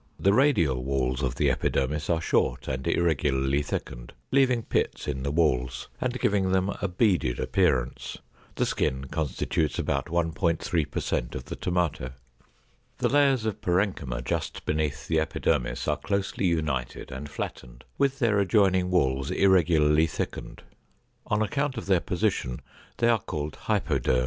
The radial walls of the epidermis are short and irregularly thickened, leaving pits in the walls, and giving them a beaded appearance. The skin constitutes about 1.3 per cent of the tomato. The layers of parenchyma just beneath the epidermis are closely united and flattened, with their adjoining walls irregularly thickened. On account of their position, they are called hypoderm.